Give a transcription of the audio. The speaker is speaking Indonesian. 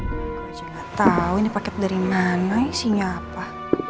aku aja gak tau ini paket dari mana isinya apa